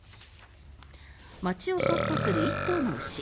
街をかっ歩する１頭の牛。